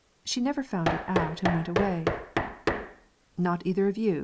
She never found it out, and went away. 'Not either of you?'